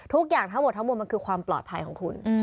ทุกอย่างทั้งหมดทั้งหมดมันคือความปลอดภัยของคุณ